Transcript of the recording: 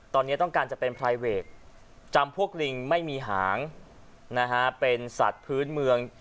ตอนนี้ต้องการจะเป็นไพรเวทจำพวกลิงไม่มีหางนะฮะเป็นสัตว์พื้นเมือง